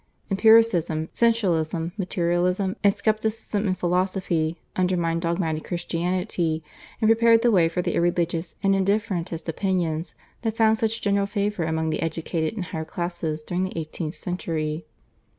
Empiricism, Sensualism, Materialism, and Scepticism in philosophy, undermined dogmatic Christianity, and prepared the way for the irreligious and indifferentist opinions, that found such general favour among the educated and higher classes during the eighteenth century.